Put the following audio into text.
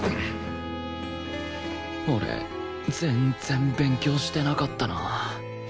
俺全然勉強してなかったな